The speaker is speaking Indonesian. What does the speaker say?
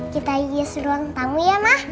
kita hias ruang tamu ya mah